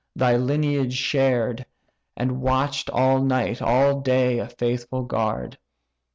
thy lineage shared, And watch'd all night, all day, a faithful guard.